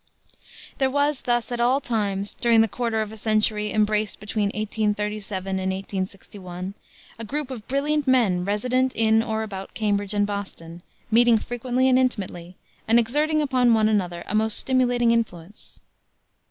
There was thus, at all times during the quarter of a century embraced between 1837 and 1861, a group of brilliant men resident in or about Cambridge and Boston, meeting frequently and intimately, and exerting upon one another a most stimulating influence.